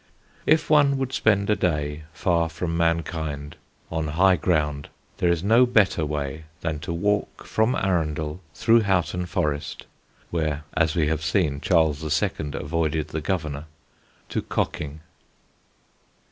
If one would spend a day far from mankind, on high ground, there is no better way than to walk from Arundel through Houghton Forest (where, as we have seen, Charles II. avoided the Governor) to Cocking.